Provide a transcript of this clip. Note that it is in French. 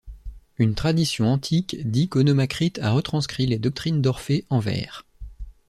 Une tradition antique dit qu'Onomacrite a rentranscrit les doctrines d'Orphée en vers.